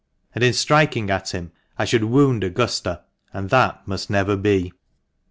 And in striking at him I should wound Augusta, and that must never be."